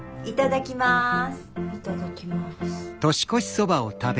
いただきます。